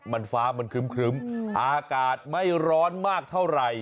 มันฟ้ามันครึ้มอากาศไม่ร้อนมากเท่าไหร่